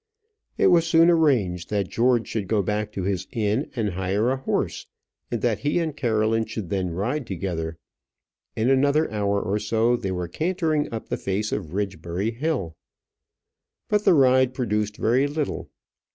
It was soon arranged that George should go back to his inn and hire a horse, and that he and Caroline should then ride together. In another hour or so they were cantering up the face of Ridgebury Hill. But the ride produced very little.